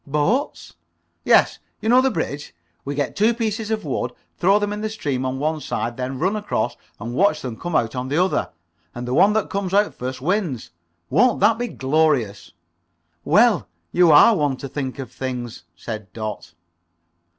"Boats?" "Yes. You know the bridge. We get two pieces of wood, throw them in the stream on one side, then run across and watch them come out on the other. And the one that comes out first, wins. Won't that be glorious?" "Well, you are one to think of things," said Dot.